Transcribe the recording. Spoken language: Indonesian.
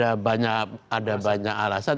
oh ada banyak alasan